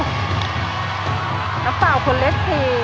น้ำเปล่าขวดเล็ก๔